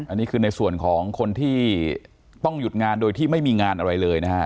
อันนี้คือในส่วนของคนที่ต้องหยุดงานโดยที่ไม่มีงานอะไรเลยนะฮะ